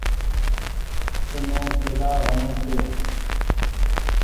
ايني ڪيلآ وڻي ڇي۔